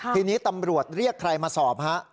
ทีนี้ตำรวจเรียกใครมาสอบฮะ